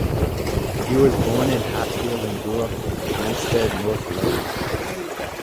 He was born in Hatfield and grew up in Hampstead, North London.